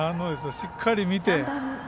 しっかり見て。